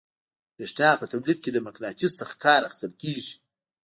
برېښنا په تولید کې له مقناطیس څخه کار اخیستل کیږي.